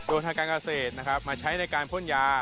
ทางการเกษตรนะครับมาใช้ในการพ่นยา